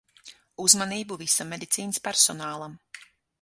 Uzmanību visam medicīnas personālam.